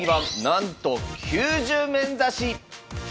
なんと９０面指し。